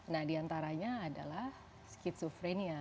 nah diantaranya adalah skizofrenia